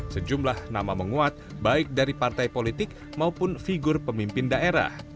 sejumlah nama menguat baik dari partai politik maupun figur pemimpin daerah